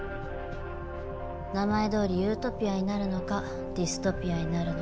名前どおりユートピアになるのかディストピアになるのか。